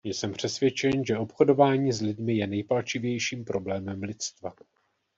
Jsem přesvědčen, že obchodování s lidmi je nejpalčivějším problémem lidstva.